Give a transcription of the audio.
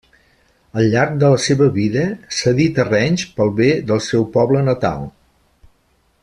Al llarg de la seva vida cedí terrenys pel bé del seu poble natal.